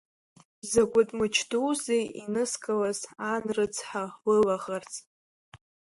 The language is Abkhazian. Закәытә мыч дуузеи инызкылаз ан рыцҳа лылаӷырӡ?